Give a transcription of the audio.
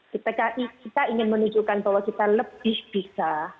ketika kita ingin menunjukkan bahwa kita lebih bisa